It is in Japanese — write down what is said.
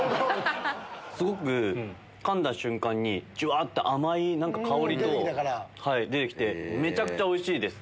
かんだ瞬間にジュワって甘い香りと出て来てめちゃくちゃおいしいです。